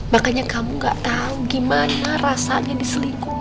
makanya kamu ga tau gimana rasanya diselingkuh